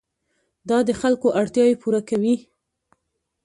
دا د خلکو اړتیاوې پوره کوي.